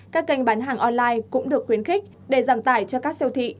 các kênh bán hàng online cũng được khuyến khích để giảm tải cho các siêu thị